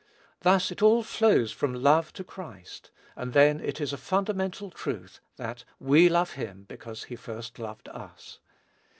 Thus it all flows from love to Christ; and then it is a fundamental truth that "we love him because he first loved us."